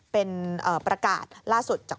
เป็นประกาศล่าสุดจาก